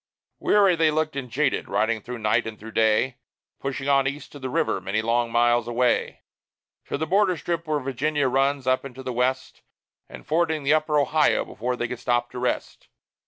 Weary they looked and jaded, riding through night and through day; Pushing on East to the river, many long miles away, To the border strip where Virginia runs up into the West, And fording the Upper Ohio before they could stop to rest.